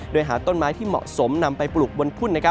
โดยหาต้นไม้ที่เหมาะสมนำไปปลูกบนทุ่น